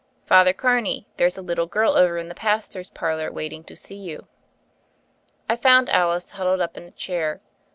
''Father Carney, there's a little girl over in the pastor's parlor waiting to see you." I found Alice huddled up in a chair.